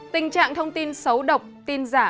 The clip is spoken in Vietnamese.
tình trạng thông tin xấu độc tin giả